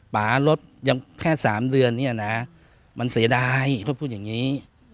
ป่ารถยังแค่๓เดือนเนี่ยนะมันเสียดายเขาพูดอย่างนี้